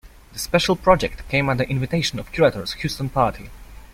This special project came at the invitation of curators Houston Party.